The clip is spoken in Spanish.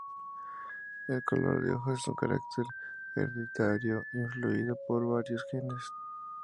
El color de ojos es un carácter hereditario influido por varios genes.